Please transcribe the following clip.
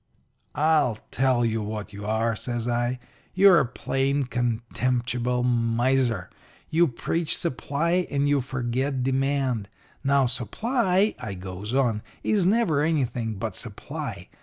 "'I'll tell you what you are,' says I. 'You're a plain, contemptible miser. You preach supply and you forget demand. Now, supply,' I goes on, 'is never anything but supply.